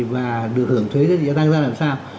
và được hưởng thuế giá trị gia tăng ra làm sao